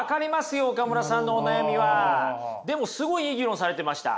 でもすごいいい議論されてました。